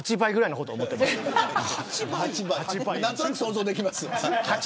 何となく想像できます。